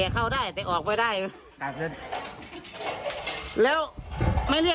ก็เอาเวียนเอาออกคนเดียวกันนะ